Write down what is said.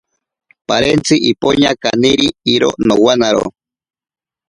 Parentzi ipoña kaniri iro nowanaro.